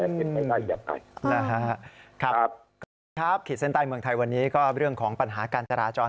เป็นใครได้อย่างไรนะฮะครับครับขีดเส้นใต้เมืองไทยวันนี้ก็เรื่องของปัญหาการจราจร